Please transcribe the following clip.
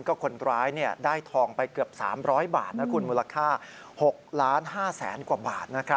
ก็คนร้ายได้ทองไปเกือบ๓๐๐บาทนะคุณมูลค่า๖๕๐๐๐กว่าบาท